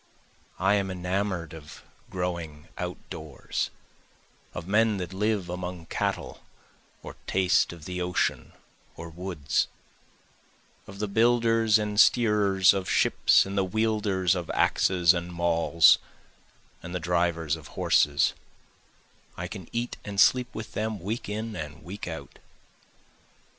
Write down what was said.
I am enamour'd of growing out doors, Of men that live among cattle or taste of the ocean or woods, Of the builders and steerers of ships and the wielders of axes and mauls, and the drivers of horses, I can eat and sleep with them week in and week out.